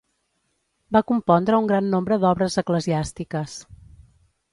Va compondre un gran nombre d'obres eclesiàstiques.